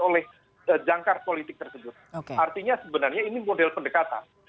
oleh jangkar politik tersebut artinya sebenarnya ini model pendekatan